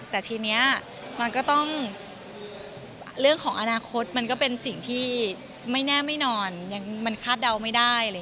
แต่ทีนี้มันก็ต้องเรื่องของอนาคตมันก็เป็นสิ่งที่ไม่แน่ไม่นอนยังมันคาดเดาไม่ได้